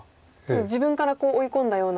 自分から追い込んだような。